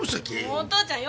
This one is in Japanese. もうお父ちゃん